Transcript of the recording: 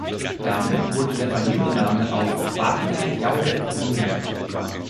Dann wurde der Familienname auf "Wagner-Jauregg" umbenannt.